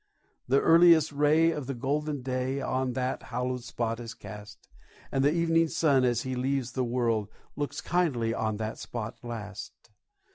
The earliest ray of the golden day On that hallowed spot is cast; And the evening sun, as he leaves the world, Looks kindly on that spot last.